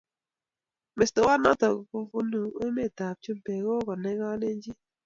Mestowot noto kobunu emet ab chumbek ak kokonai kalenjin